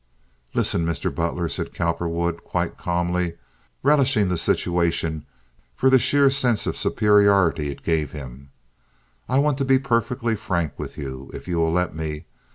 "Listen, Mr. Butler," said Cowperwood, quite calmly, relishing the situation for the sheer sense of superiority it gave him. "I want to be perfectly frank with you, if you will let me.